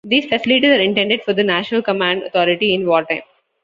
These facilities are intended for the national command authority in wartime.